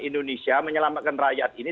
indonesia menyelamatkan rakyat ini